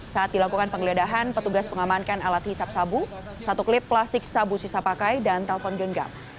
saat dilakukan penggeledahan petugas pengamankan alat hisap sabu satu klip plastik sabu sisa pakai dan telpon genggam